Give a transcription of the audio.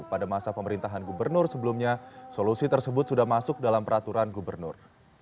pada masa pemerintahan gubernur sebelumnya solusi tersebut sudah masuk dalam peraturan gubernur